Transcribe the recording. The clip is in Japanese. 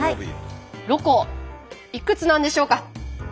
ロコいくつなんでしょうか？